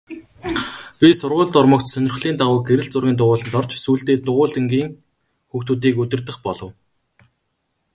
Би сургуульд ормогц сонирхлын дагуу гэрэл зургийн дугуйланд орж сүүлдээ дугуйлангийн хүүхдүүдийг удирдах болов.